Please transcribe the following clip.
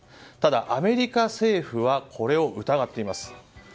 ただ、アメリカ政府はこれを疑っています。